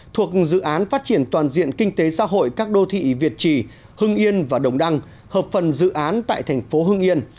thuộc dự án phát triển toàn diện kinh tế xã hội các đô thị việt trì hưng yên và đồng đăng hợp phần dự án tại thành phố hưng yên